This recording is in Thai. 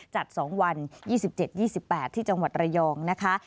จัด๒วัน๒๗๒๘ที่จังหวัดระยองนะคะ